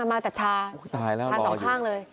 แต่ชาชาสองข้างเลย